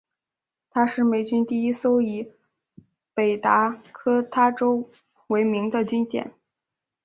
她是美军第一艘以北达科他州为名的军舰。